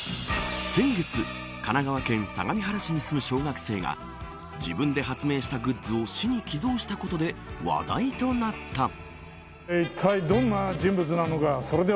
先月、神奈川県相模原市に住む小学生が自分で発明したグッズを市に寄贈したことで話題となった。